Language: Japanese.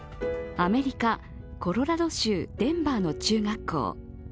アメリカ・コロラド州デンバーの中学校。